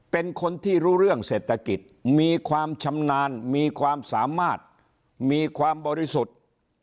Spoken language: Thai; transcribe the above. เป็นคนที่รู้เรื่องเศรษฐกิจมีความชำนาญมีความสามารถมีความบริสุทธิ์